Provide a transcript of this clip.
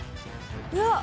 うわっ。